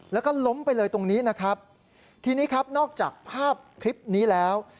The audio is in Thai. แล้วก็ล้มไปเลยตรงนี้นะครับทีนี้ครับนอกจากภาพคลิปนี้แล้ว